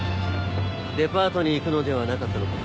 デパートに行くのではなかったのか？